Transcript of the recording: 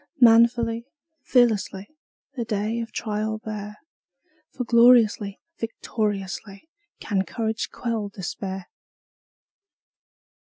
Manfully, fearlessly, The day of trial bear, For gloriously, victoriously, Can courage quell despair!